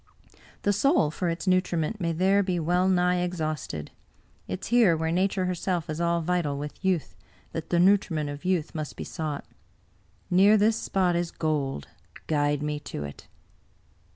The soil for its nutriment may there be well nigh exhausted. It is here, where Nature herself is all vital with youth, that the nutriment of youth must be sought. Near this spot is gold ; guide me to it."